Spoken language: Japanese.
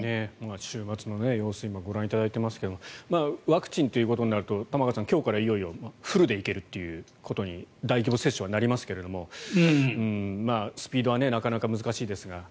週末の様子を今、ご覧いただいていますがワクチンということになると玉川さん、今日からいよいよフルで行けるということに大規模接種はなりますけどスピードはなかなか難しいですが。